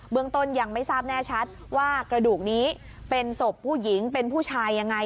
เรื่องต้นยังไม่ทราบแน่ชัดว่ากระดูกนี้เป็นศพผู้หญิงเป็นผู้ชายยังไง